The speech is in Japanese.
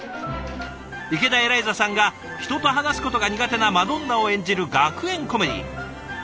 池田エライザさんが人と話すことが苦手なマドンナを演じる学園コメディー。